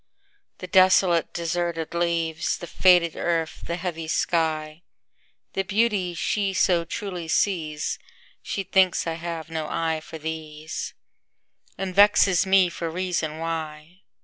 The desolate, deserted trees, The faded earth, the heavy sky, The beauties she so truly sees, She thinks I have no eye for these, And vexes me for reason why.